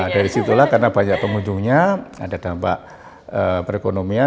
dari situlah karena banyak pengunjungnya ada dampak perekonomian